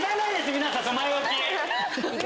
皆さんその前置き。